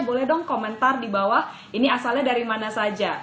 boleh dong komentar di bawah ini asalnya dari mana saja